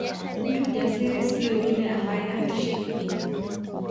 Mtu jasiri sio yule ambaye hatishiki